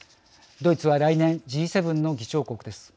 ドイツは、来年Ｇ７の議長国です。